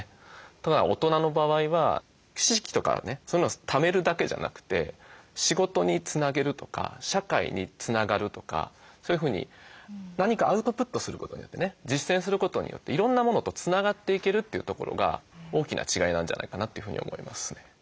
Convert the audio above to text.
ただ大人の場合は知識とかねそういうのをためるだけじゃなくて仕事につなげるとか社会につながるとかそういうふうに何かアウトプットすることによってね実践することによっていろんなものとつながっていけるというところが大きな違いなんじゃないかなというふうに思いますね。